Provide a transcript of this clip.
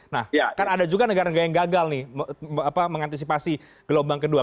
nah kan ada juga negara negara yang gagal nih mengantisipasi gelombang kedua